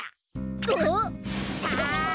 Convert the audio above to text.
あっ！